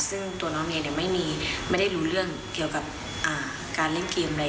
ซึ่งตัวน้องเองไม่ได้รู้เรื่องเกี่ยวกับการเล่นเกมอะไร